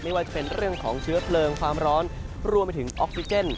ไม่ว่าจะเป็นเรื่องของเชื้อเพลิงความร้อนรวมไปถึงออกซิเจน